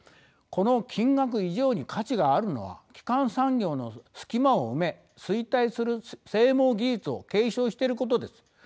この金額以上に価値があるのは基幹産業の隙間を埋め衰退する整網技術を継承していることです。